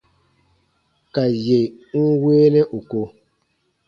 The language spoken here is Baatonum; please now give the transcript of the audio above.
Ka yè n weenɛ ù ko.